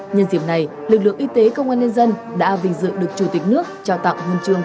nhân diện này lực lượng y tế công an nhân dân đã vinh dự được chủ tịch nước cho tặng huyền trường